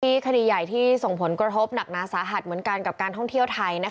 คดีใหญ่ที่ส่งผลกระทบหนักหนาสาหัสเหมือนกันกับการท่องเที่ยวไทย